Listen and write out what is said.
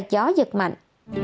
gió giật mạnh